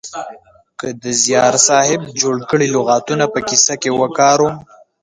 که د زیار صاحب جوړ کړي لغاتونه په کیسه کې وکاروم